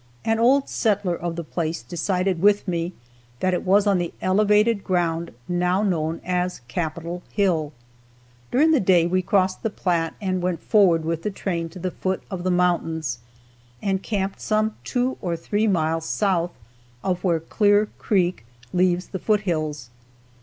An old settler of the place decided with me that it was on the elevated ground now known as Capitol Hill. During the day we crossed the Platte and went forward with the train to the foot of the mountains, and camped some two or three miles south of where Clear creek leaves the foot hills.